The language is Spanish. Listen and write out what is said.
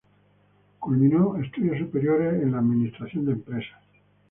Culminó estudios superiores en Administración de Empresas.